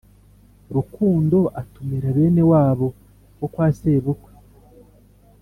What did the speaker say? rukundo atumira bene wabo bo kwa sebukwe